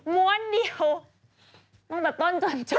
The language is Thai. ม้วนเดียวตั้งแต่ต้นจนจบ